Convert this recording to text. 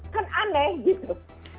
kan aneh gitu